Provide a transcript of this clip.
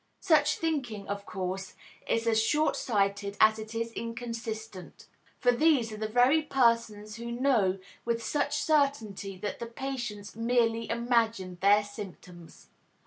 Such thinking, of course, is as shortsighted as it is inconsistent. For these are the very persons who know with such certainty that the patients "merely imagine" their symptoms.